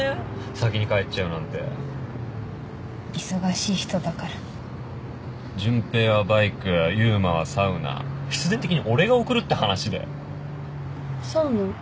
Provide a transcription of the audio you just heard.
先に帰っちゃうなんて忙しい人だから純平はバイク悠馬はサウナ必然的に俺が送るって話でサウナ？